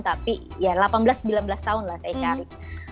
tapi ya delapan belas sembilan belas tahun lah saya cari